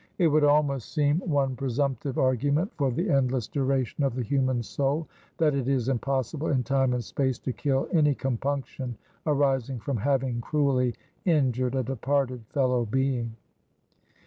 It would almost seem one presumptive argument for the endless duration of the human soul, that it is impossible in time and space to kill any compunction arising from having cruelly injured a departed fellow being.